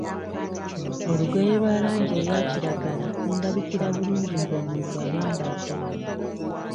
Olugoye olwa langi eya kiragala lundabikira bulungi ng'omuntu alwambadde.